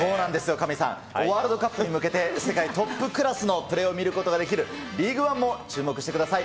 カミさん、ワールドカップに向けて、世界トップクラスのプレーを見ることができるリーグワンも注目してください。